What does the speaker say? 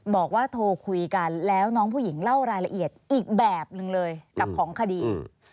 บอกว่าโทรคุยกันแล้วน้องผู้หญิงเล่ารายละเอียดอีกแบบหนึ่งเลยกับของคดี